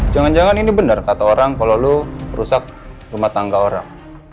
jangan jangan ini benar kata orang kalau lo merusak rumah tangga orang